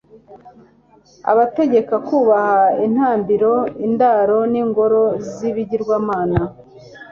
abategeka kubaka intambiro, indaro n'ingoro z'ibigirwamana